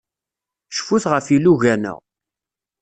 Cfut ɣef yilugan-a.